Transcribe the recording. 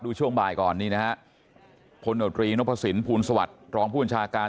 ช่วงบ่ายก่อนนี่นะฮะพลโนตรีนพสินภูลสวัสดิ์รองผู้บัญชาการ